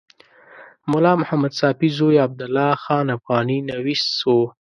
ملا محمد ساپي زوی عبدالله خان افغاني نویس و.